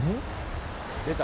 出た！